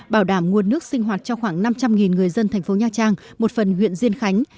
bảo đảm nguồn nước sinh hoạt cho khoảng năm trăm linh người dân thành phố nha trang một phần huyện diên khánh